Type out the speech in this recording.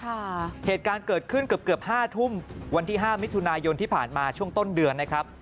เหตุการณ์เกิดขึ้นเกือบเกือบห้าทุ่มวันที่ห้ามิถุนายนที่ผ่านมาช่วงต้นเดือนนะครับ